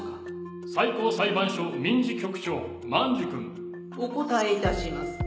最高裁判所民事局長万寿くん。お答え致します。